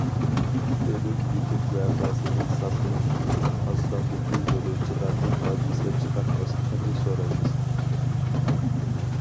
ئۆلۈم- يېتىم ۋەقەسىدىن ساقلىنىش ئۈچۈن، ئاز ساندىكى يولۇچىلارنىڭ« ھادىسە» چىقارماسلىقىنى سورايمىز!